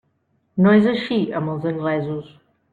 No és així amb els anglesos.